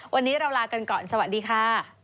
วันนี้เราลากันก่อนสวัสดีค่ะ